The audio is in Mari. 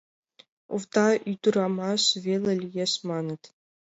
— Овда ӱдырамаш веле лиеш, маныт.